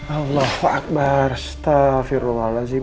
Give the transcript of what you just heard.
allahu akbar astaghfirullahaladzim